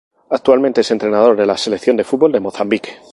Actualmente es entrenador de la selección de fútbol de Mozambique.